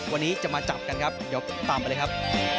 วันนี้จะมาจับกันครับเดี๋ยวตามไปเลยครับ